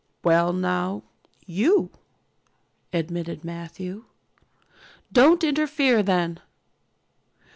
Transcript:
"Well now, you," admitted Matthew. "Don't interfere then."